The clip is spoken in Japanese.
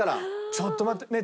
ちょっと待ってねえ